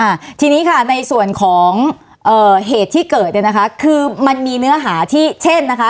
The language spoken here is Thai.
อ่าทีนี้ค่ะในส่วนของเอ่อเหตุที่เกิดเนี้ยนะคะคือมันมีเนื้อหาที่เช่นนะคะ